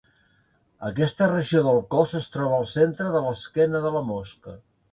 Aquesta regió del cos es troba al centre de l'esquena de la mosca.